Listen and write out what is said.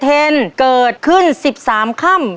เท็นเกิดขึ้น๑๓คน